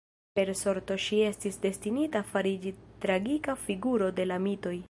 Per Sorto ŝi estis destinita fariĝi tragika figuro de la mitoj.